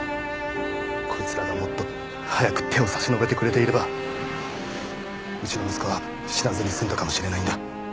こいつらがもっと早く手を差し伸べてくれていればうちの息子は死なずに済んだかもしれないんだ。